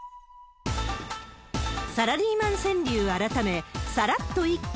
サラリーマン川柳改め、サラっと一句！